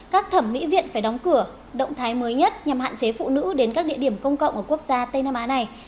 các thẩm mỹ viện phải đóng cửa động thái mới nhất nhằm hạn chế phụ nữ đến các địa điểm công cộng ở quốc gia tây nam á này